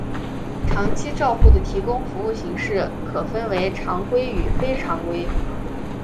长期照护的提供服务形式可分为常规与非常规。